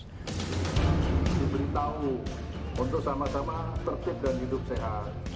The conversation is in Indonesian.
diberitahu untuk sama sama tertib dan hidup sehat